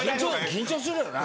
緊張するよな。